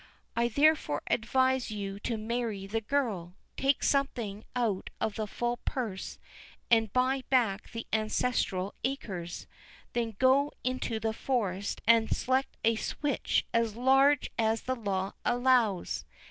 I therefore advise you to marry the girl, take something out of the full purse and buy back the ancestral acres, then go into the forest and select a switch as large as the law allows.